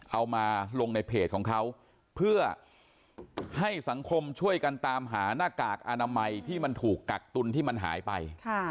เอามาลงในเพจของเขาเพื่อให้สังคมช่วยกันตามหาหน้ากากอนามัยที่มันถูกกักตุลที่มันหายไป